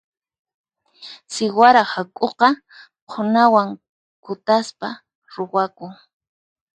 Siwara hak'uqa qhunawan kutaspa ruwakun.